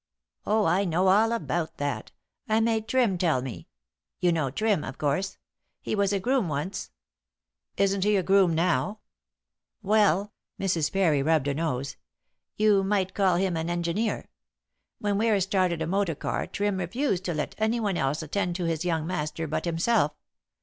"Oh, I know all about that. I made Trim tell me. You know Trim, of course. He was a groom once." "Isn't he a groom now?" "Well" Mrs. Parry rubbed her nose "you might call him an engineer. When Ware started a motor car Trim refused to let anyone else attend to his young master but himself.